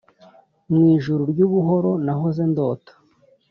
mu ijuru ry' ubuhoro nahoze ndota